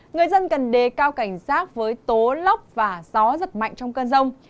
người dân cần đề cao cảnh giác với tố lốc và gió giật mạnh trong cơn rông